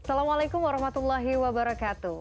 assalamualaikum warahmatullahi wabarakatuh